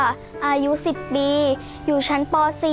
อายุ๑๐ปีอยู่ชั้นป๔